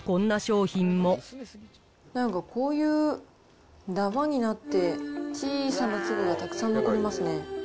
中にはなんかこういうだまになって、小さな粒がたくさん残りますね。